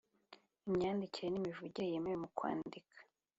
imyandikire n’imivugire yemewe mukwandika